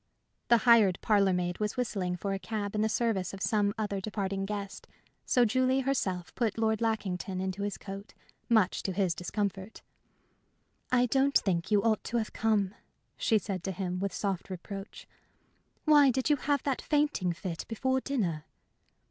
The hired parlor maid was whistling for a cab in the service of some other departing guest; so Julie herself put Lord Lackington into his coat, much to his discomfort. "I don't think you ought to have come," she said to him, with soft reproach. "Why did you have that fainting fit before dinner?"